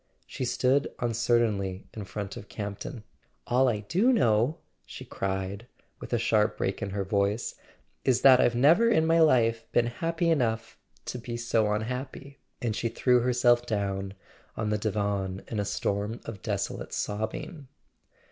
She stood uncertainly in front of Campton. "All I do know," she cried, with a sharp break in her voice, "is that I've never in my life been happy enough to be so unhappy !"[ 420 ] A SON AT THE FRONT And she threw herself down on the divan in a storm of desolate sobbing.